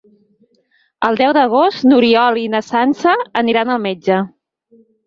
El deu d'agost n'Oriol i na Sança aniran al metge.